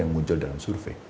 yang muncul dalam survei